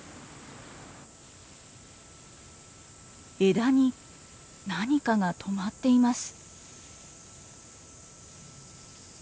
枝に何かが止まっています。